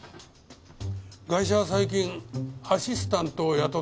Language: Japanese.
ガイシャは最近アシスタントを雇っております。